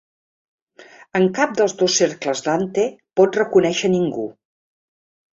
En cap dels dos cercles Dante pot reconèixer ningú.